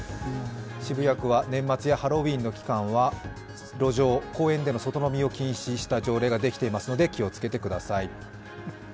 渋谷区は年末やハロウィーンの期間は路上、公園での外飲みを禁止した条例ができていますので、気をつけてください。